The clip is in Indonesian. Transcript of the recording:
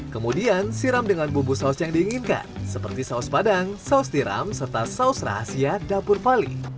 kemudian siram dengan bumbu saus yang diinginkan seperti saus padang saus tiram serta saus rahasia dapur vali